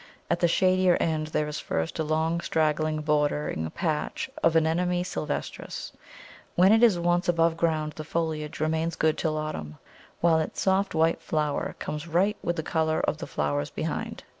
At the shadier end there is first a long straggling bordering patch of Anemone sylvestris. When it is once above ground the foliage remains good till autumn, while its soft white flower comes right with the colour of the flowers behind.